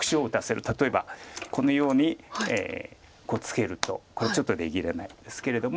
例えばこのようにツケるとちょっと出切れないですけれども。